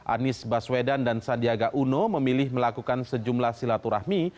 anies baswedan dan sandiaga uno memilih melakukan sejumlah silaturahmi